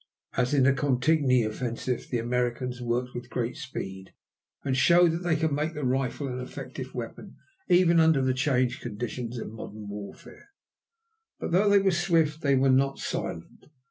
As in the Cantigny offensive, the Americans worked with great speed, and showed that they could make the rifle an effective weapon even under the changed conditions of modern warfare. But though they were swift they were not silent.